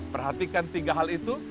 perhatikan tiga hal itu